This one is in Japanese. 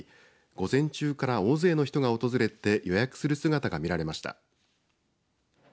午前中から大勢の人が訪れて予約する姿が見られました。